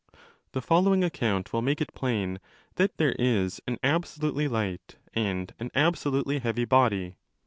The following account will make it plain that there is an absolutely light and an absolutely heavy body.